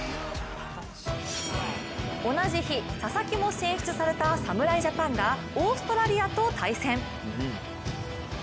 同じ日、佐々木も選出された侍ジャパンがオーストラリアと対戦。